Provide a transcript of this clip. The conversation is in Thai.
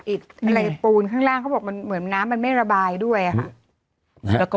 อะไรปูนข้างล่างเขาบอกมันเหมือนน้ำมันไม่ระบายด้วยค่ะ